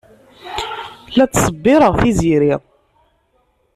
La ttṣebbireɣ Tiziri.